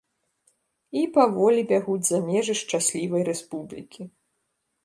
І паволі бягуць за межы шчаслівай рэспублікі.